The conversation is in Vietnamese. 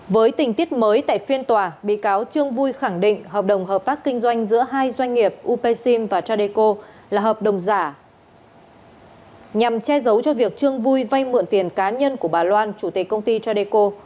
với tình tiết mới tại phiên tòa bị cáo trường vui khẳng định hợp đồng hợp tác kinh doanh giữa hai doanh nghiệp upesim và tradeco là hợp đồng giả nhằm che giấu cho việc trường vui vay mượn tiền cá nhân của bà loan chủ tịch công ty tradeco